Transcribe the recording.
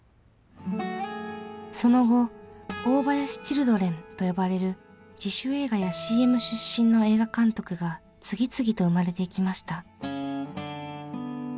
その後「大林チルドレン」と呼ばれる自主映画やＣＭ出身の映画監督が次々と生まれていきました。